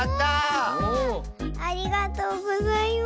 わあありがとうございます。